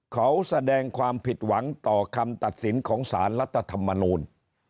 เขาแสดงความผิดหวังต่อคำตัดสินของสารรัฐธรรมนูล